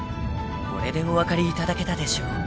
［これでお分かりいただけたでしょう］